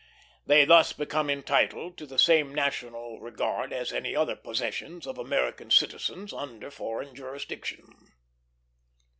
They thus become entitled to the same national regard as any other possessions of American citizens under foreign jurisdiction.